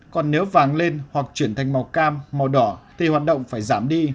còn nếu vàng lên hoặc chuyển thành màu cam màu đỏ thì hoạt động phải giảm đi